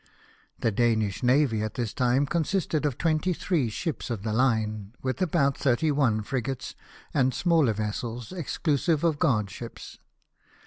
The Danish navy at this time consisted of 214 LIFE OF NELSON. twenty three ships of the line, with about thirty one frigates, and smaller vessels, exclusive of guard ships.